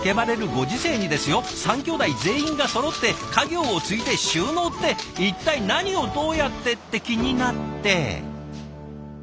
３兄弟全員がそろって家業を継いで就農って一体何をどうやって！？って気になって。